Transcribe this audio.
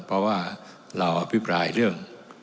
เพราะว่าเราอภิปรายเรื่อง